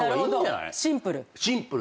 シンプル。